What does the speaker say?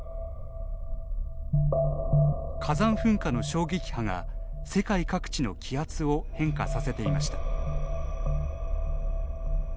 火山噴火の衝撃波が、世界各地の気圧を変化させていました。